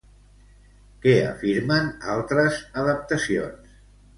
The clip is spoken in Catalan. Què afirmen altres adaptacions?